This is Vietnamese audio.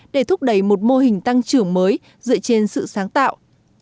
để thúc đẩy một mô hình tăng trưởng mới dựa trên sự sáng tạo